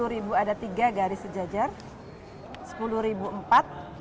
sepuluh ribu empat